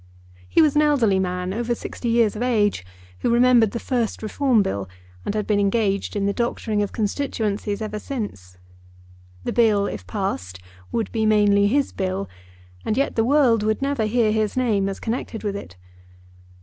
He was an elderly man, over sixty years of age, who remembered the first Reform Bill, and had been engaged in the doctoring of constituencies ever since. The Bill, if passed, would be mainly his Bill, and yet the world would never hear his name as connected with it.